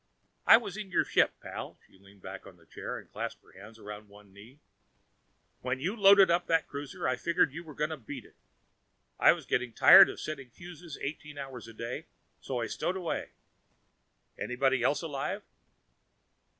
"I was in your ship, pal." She leaned back in the chair and clasped her hands around one knee. "When you loaded up that cruiser, I figured you were going to beat it. I was getting tired of setting fuses eighteen hours a day, so I stowed away. Anybody else alive?"